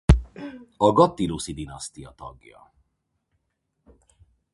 A Gattilusi-dinasztia tagja.